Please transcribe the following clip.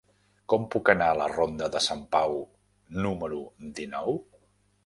Com puc anar a la ronda de Sant Pau número dinou?